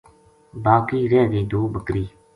باقی رہ گئی دو بکری